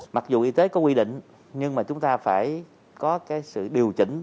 mặc dù y tế có quy định nhưng mà chúng ta phải có cái sự điều chỉnh